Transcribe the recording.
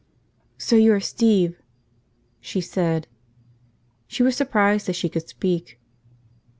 "So you're Steve," she said. She was surprised that she could speak.